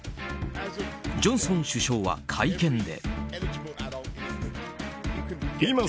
ジョンソン首相は、会見で。